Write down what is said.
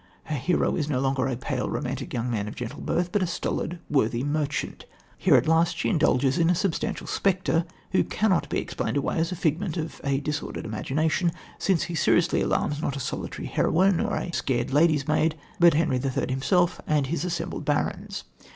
Her hero is no longer a pale, romantic young man of gentle birth, but a stolid, worthy merchant. Here, at last, she indulges in a substantial spectre, who cannot be explained away as the figment of a disordered imagination, since he seriously alarms, not a solitary heroine or a scared lady's maid, but Henry III. himself and his assembled barons.